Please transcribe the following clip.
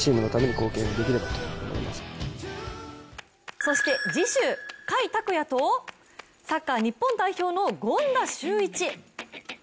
そして次週、甲斐拓也とサッカー日本代表の権田修一。